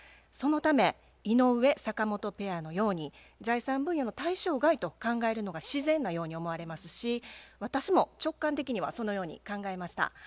そのため井上・坂本ペアのように財産分与の対象外と考えるのが自然なように思われますし私も直感的にはそのように考えました。